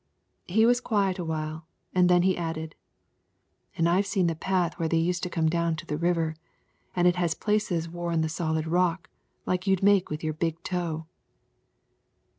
He was quiet a while, and then he added, "An' I've seen the path where they used to come down to the river, an' it has places wore in the solid rock like you'd make with your big toe."